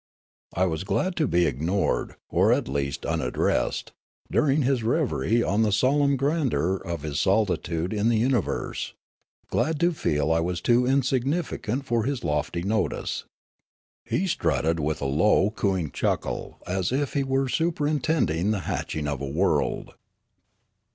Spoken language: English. I was glad to be ignored or, at least, unad dressed, during his reverie on the solemn grandeur of his solitude in the universe, glad to feel I was too in significant for his loft}' notice. He strutted with a low, cooing chuckle as if he were superintending the hatch ing of a world.